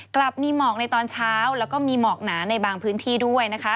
กลับมีหมอกในตอนเช้าแล้วก็มีหมอกหนาในบางพื้นที่ด้วยนะคะ